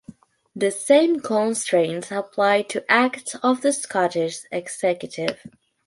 The same constraints apply to acts of the Scottish Executive.